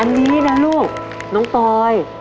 อันนี้นะลูกน้องปอย